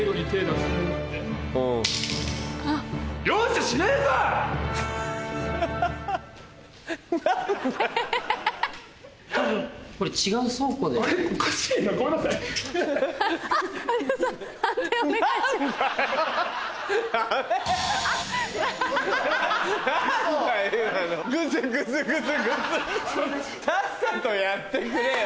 さっさとやってくれよ。